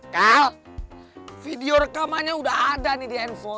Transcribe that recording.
kal video rekamannya udah ada nih di handphone